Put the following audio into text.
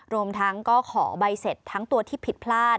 รวมทั้งก็ขอใบเสร็จทั้งตัวที่ผิดพลาด